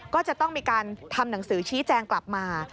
ก็จะต้องมีการทำหนังสือชี้แจงกลับมา